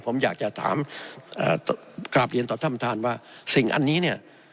ผมอยากจะถามกราบเรียนต่อท่านประธานว่าสิ่งอันนี้เนี่ย